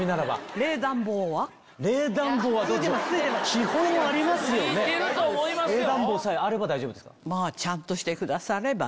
冷暖房さえあれば大丈夫ですか？